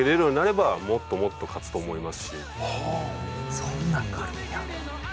そんなんがあるんや。